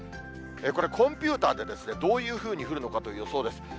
これ、コンピューターで、どういうふうに降るのかという予想です。